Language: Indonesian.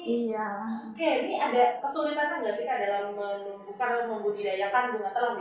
ini ada kesulitan tidak sih dalam membudidayakan bunga telang di rumah